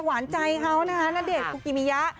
หวานใจเขานะคะณเดชนคุกิมิยะ